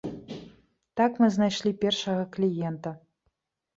Так мы знайшлі першага кліента.